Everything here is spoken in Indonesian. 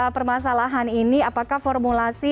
permasalahan ini apakah formulasi